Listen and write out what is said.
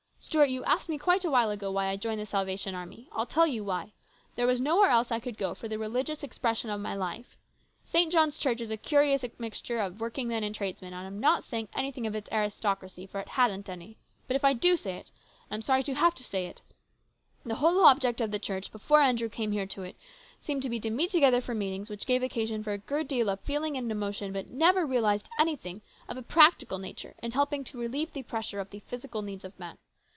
Stuart, you asked me quite awhile ago why I joined the Salvation Army. I'll tell you why. There was nowhere else I could go for the religious expression of my life. St. John's Church is a curious mixture of working men and tradesmen, and I'm not saying anything of its aristocracy, for it hasn't any, 246 HIS BROTHER'S KEEPER. but if I do say it (and I am sorry to have to say it) the whole object of the church, before Andrew came here to it, seemed to be to meet together for meetings which gave occasion for a good deal of feeling and emotion, but never realised anything of a practical nature in helping to relieve the pressure of the physical needs of men.